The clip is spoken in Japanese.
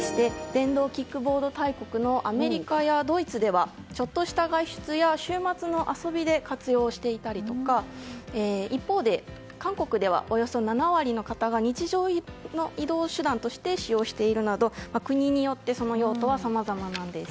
電動キックボード大国のアメリカやドイツではちょっとした外出や週末の遊びで活用していたり一方で、韓国ではおよそ７割の方が日常の移動手段として使用しているなど国によって用途はさまざまです。